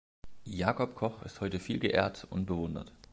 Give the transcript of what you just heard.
Jakob Koch ist heute viel geehrt und bewundert.